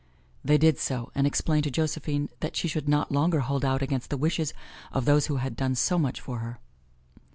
They did so and explained to Josephine that she should not longer hold out against the wishes of those who had done so much for her.